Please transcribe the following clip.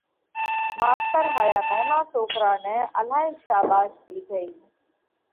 ماستر هايا نونا سوڪرا نئہ الهائي شاڀاش ۮِيڌئي